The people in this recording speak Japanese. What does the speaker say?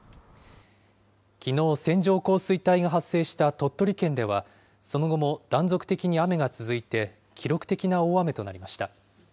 きのう、線状降水帯が発生した鳥取県では、その後も断続的に雨が続いて、記録的な大雨となりました。